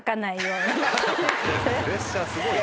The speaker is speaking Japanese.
プレッシャーすごいな。